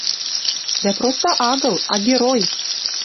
Дӓ проста агыл, а герой.